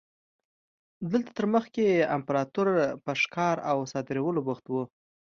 دلته تر مخکې امپراتور په ښکار او صادرولو بوخت و.